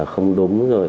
không đúng rồi